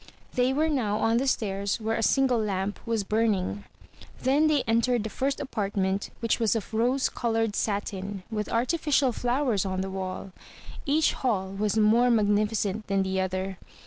They were now on the stairs where a single lamp was burning. Then they entered the first apartment which was of rose colored satin, with arti ficial flowers on the wall. Each hall was more magnificent than the other.